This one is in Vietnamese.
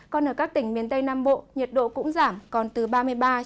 còn ở các tỉnh miền tây nam bộ nhiệt độ cũng giảm còn từ ba mươi ba cho đến ba mươi bốn độ